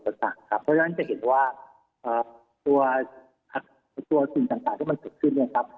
เพราะฉะนั้นจะเห็นว่าตัวสิ่งต่างมันขึ้นแล้วครับ